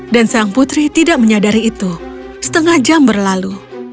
dan sang putri tidak menyadari itu setengah jam berlalu